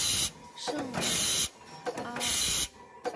圣阿尔邦人口变化图示